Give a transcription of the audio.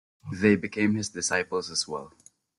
They became his disciples as well.